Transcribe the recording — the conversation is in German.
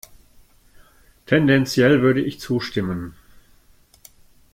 Tendenziell würde ich zustimmen.